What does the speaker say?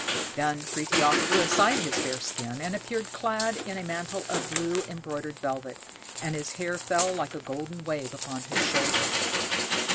Then Frithiof threw aside his bearskin, and appeared clad in a mantle of blue embroidered velvet, and his hair fell like a golden wave upon his shoulder.